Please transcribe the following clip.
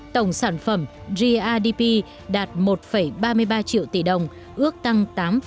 tổng sản phẩm grdp đạt một ba mươi ba triệu tỷ đồng ước tăng tám ba